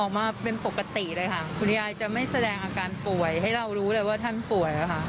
ออกมาเป็นปกติเลยค่ะคุณยายจะไม่แสดงอาการป่วยให้เรารู้เลยว่าท่านป่วยค่ะ